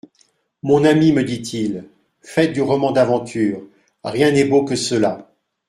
Mon ami, me dit-il, faites du roman d'aventures ; rien n'est beau que cela.